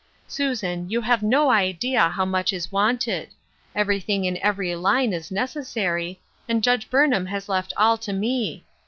Susan, you have no idea how much is wanted. Everything in every line is necessary, and Judge Burnham has left all to me.